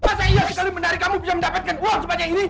masa iya sekali menarik kamu bisa mendapatkan uang sebanyak ini